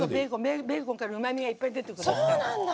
ベーコンからうまみがいっぱい出てくる。